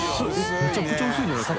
めちゃくちゃ薄いんじゃないですか？